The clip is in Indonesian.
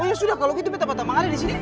oh ya sudah kalau gitu betapa tamang ada disini